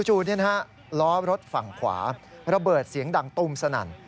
จู่ล้อรถฝั่งขวาระเบิดเสียงดังตุมสนั่น